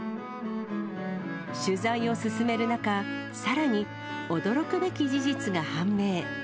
取材を進める中、さらに、驚くべき事実が判明。